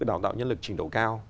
đào tạo nhân lực trình độ cao